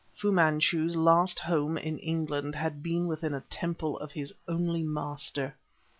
Fu Manchu's last home in England had been within a temple of his only Master.